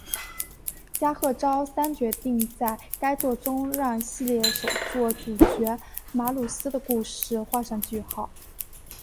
加贺昭三决定在该作中让系列首作主角马鲁斯的故事画上句号。